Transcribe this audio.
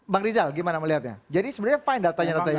bang rizal gimana melihatnya jadi sebenarnya fine datanya datanya